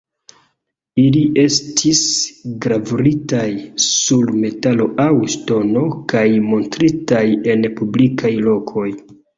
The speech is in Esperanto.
Ili estis gravuritaj sur metalo aŭ ŝtono kaj montritaj en publikaj lokoj.